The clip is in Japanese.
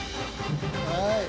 はい。